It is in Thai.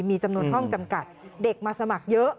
มีจำนวนห้องจำกัดเด็กมาสมัครเยอะ